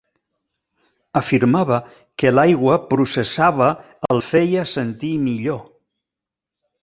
Afirmava que l'aigua processava el feia sentir millor.